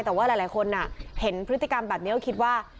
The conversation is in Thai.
แต่ว่าหลายคนเห็นพฤติกรรมแบบนี้ก็คิดว่า